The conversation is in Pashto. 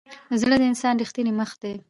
زړه د انسان ریښتینی مخ دی.